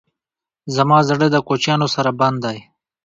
زما زړه د کوچیانو سره بند دی.